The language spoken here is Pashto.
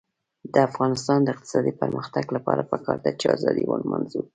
د افغانستان د اقتصادي پرمختګ لپاره پکار ده چې ازادي ولمانځو.